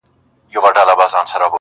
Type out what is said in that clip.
نژدې ورغلم~